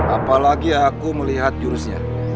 apalagi aku melihat jurusnya